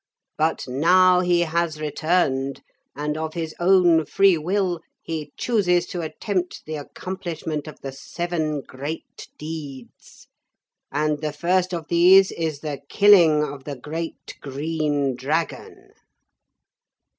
But now he has returned and of his own free will he chooses to attempt the accomplishment of the seven great deeds. And the first of these is the killing of the great green dragon.'